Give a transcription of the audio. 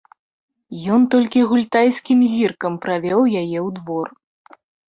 Ён толькі гультайскім зіркам правёў яе ў двор.